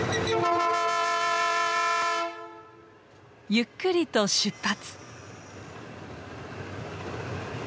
ゆっくりと出発。